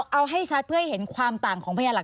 เอาให้ชัดเพื่อให้เห็นความต่างของพยานหลัก